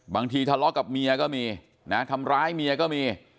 ทะเลาะกับเมียก็มีนะทำร้ายเมียก็มี